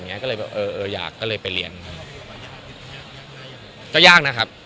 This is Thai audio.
ไม่เคยผมเพิ่งไปเรียนเองครับ